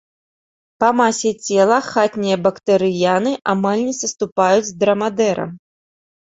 Па масе цела хатнія бактрыяны амаль не саступаюць драмадэрам.